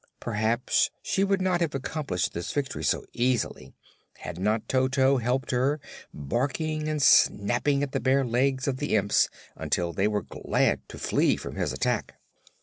Perhaps she would not have accomplished this victory so easily had not Toto helped her, barking and snapping at the bare legs of the imps until they were glad to flee from his attack.